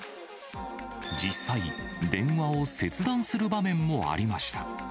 実際、電話を切断する場面もありました。